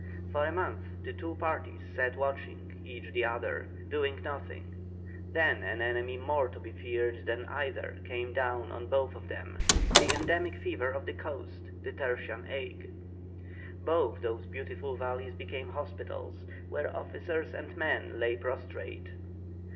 For a month the two parties sat watching, each the other, nothing doing, then an enemy more to be feared than either came down on both of them, the endemic fever of the coast, the tertian ague. Both those beautiful valleys became hospitals, where officers and men alike lay prostrate.